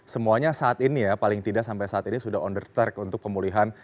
semuanya saat ini ya paling tidak sampai saat ini sudah on the track untuk pemulihan